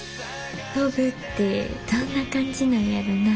飛ぶってどんな感じなんやろな。